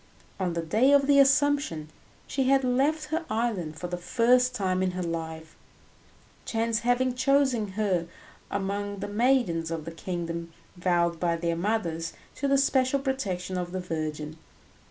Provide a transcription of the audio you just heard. On the day of the Assumption she had left her island for the first time in her life, chance having chosen her among the maidens of the kingdom vowed by their mothers to the special protection of the Virgin.